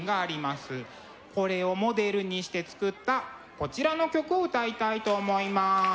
これをモデルにして作ったこちらの曲を歌いたいと思います。